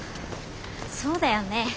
そうだよね。